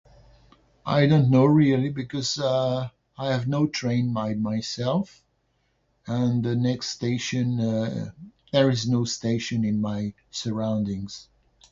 I don't know really, because, uh, I have no train by myself, and the next station, uh, there is no station in my surroundings.